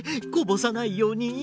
こぼさないように。